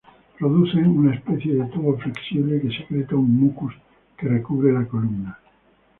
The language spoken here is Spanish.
Producen una especie de tubo flexible, que secreta un mucus que recubre la columna.